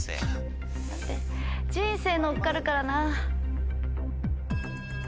人生乗っかるからなぁ。